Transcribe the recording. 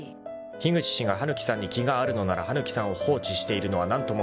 ［樋口氏が羽貫さんに気があるのなら羽貫さんを放置しているのは何とももどかしい］